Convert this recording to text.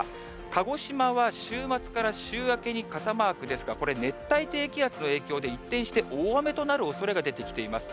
鹿児島は週末から週明けに傘マークですが、これ、熱帯低気圧の影響で、一転して大雨となるおそれが出てきています。